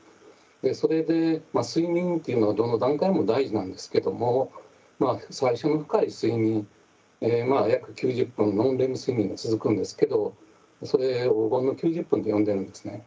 それで睡眠というのはどの段階も大事なんですけども最初の深い睡眠約９０分のノンレム睡眠が続くんですけどそれ黄金の９０分と呼んでいるんですね。